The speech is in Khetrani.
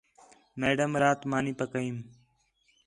میڈم رات مانی پکیئم